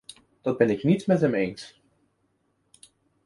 Dat ben ik niet met hem eens.